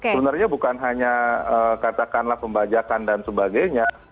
sebenarnya bukan hanya katakanlah pembajakan dan sebagainya